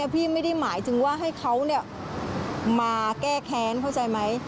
พี่ไม่ได้หมายถึงว่าให้เขามาแก้แค้นเข้าใจไหม